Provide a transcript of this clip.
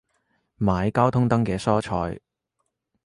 買交通燈嘅蔬菜